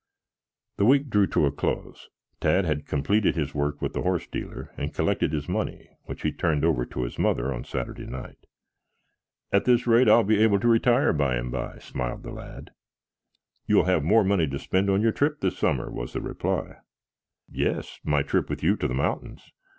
The week drew to a close. Tad had completed his work with the horse dealer and collected his money, which he turned over to his mother on Saturday night. "At this rate I'll be able to retire by and by," smiled the lad. "You will have more money to spend on your trip this summer," was the reply. "Yes. My trip with you to the mountains."